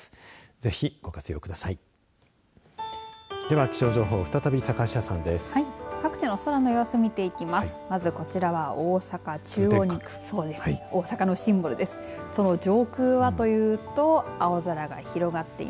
ぜひ、ご活用ください。